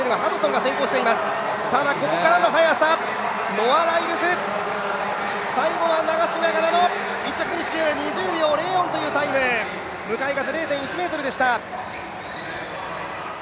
ノア・ライルズ最後は流しながらのフィニッシュ２０秒０４というタイム、向かい風０．１メートルでした。